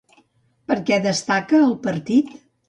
Per què destaca el partit?